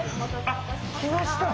あっ来ました。